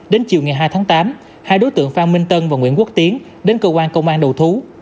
đến chiều ngày hai tháng tám hai đối tượng phan minh tân và nguyễn quốc tiến đến cơ quan công an đầu thú